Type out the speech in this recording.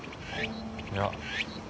いや。